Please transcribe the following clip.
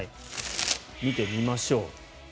見てみましょう。